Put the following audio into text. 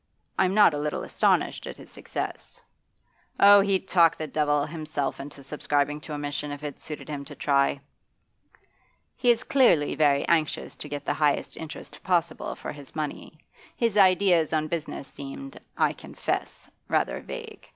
I am not a little astonished at his success.' 'Oh, he'd talk the devil himself into subscribing to a mission if it suited him to try.' 'He is clearly very anxious to get the highest interest possible for his money. His ideas on business seemed, I confess, rather vague.